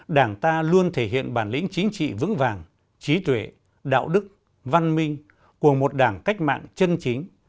đảng ta luôn thể hiện bản lĩnh chính trị vững vàng trí tuệ đạo đức văn minh của một đảng cách mạng chân chính